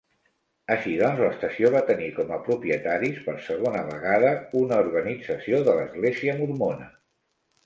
Així doncs, l'estació va tenir com a propietaris, per segona vegada, una organització de l'església mormona.